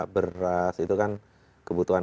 beras itu kan kebutuhan